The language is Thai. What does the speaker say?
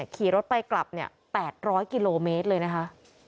ขี่รถไปกลับ๘๐๐กิโลเมตรเลยนะคะ